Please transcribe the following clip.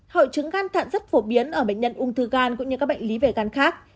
hội chứng gan thận rất phổ biến ở bệnh nhân ung thư gan cũng như các bệnh lý về gan khác